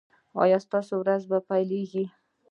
ایا ستاسو ورځ به پیلیږي؟